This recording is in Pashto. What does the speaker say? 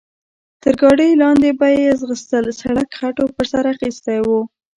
تر ګاډیو لاندې به یې ځغستل، سړک خټو پر سر اخیستی و.